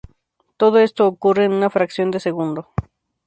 Todo esto ocurre en una fracción de segundo.